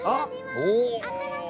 お！